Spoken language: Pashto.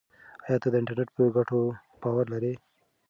ایا ته د انټرنیټ په ګټو باور لرې؟